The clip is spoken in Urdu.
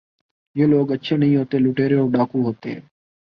یہ لوگ اچھے نہیں ہوتے ، لٹیرے اور ڈاکو ہوتے ہیں ۔